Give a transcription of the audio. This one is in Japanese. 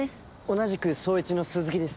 同じく捜一の鈴木です。